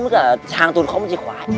nó cả hàng tuần không có chìa khóa